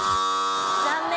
残念。